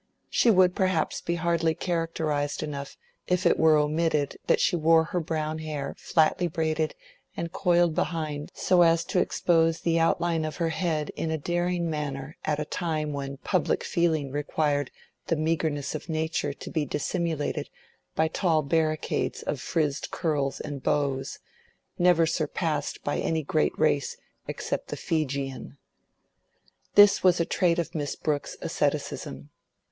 She would perhaps be hardly characterized enough if it were omitted that she wore her brown hair flatly braided and coiled behind so as to expose the outline of her head in a daring manner at a time when public feeling required the meagreness of nature to be dissimulated by tall barricades of frizzed curls and bows, never surpassed by any great race except the Feejeean. This was a trait of Miss Brooke's asceticism.